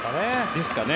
ですかね。